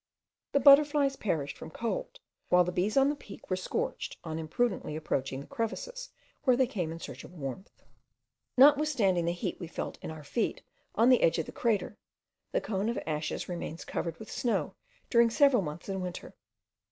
The butterflies perished from cold, while the bees on the Peak were scorched on imprudently approaching the crevices where they came in search of warmth. Notwithstanding the heat we felt in our feet on the edge of the crater, the cone of ashes remains covered with snow during several months in winter.